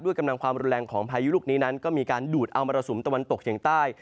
ด้วยกำหนังความแรงของพายุลุกนี้นั้นก็มีการดูดเอามาระสุมตะวันตกอย่างใต้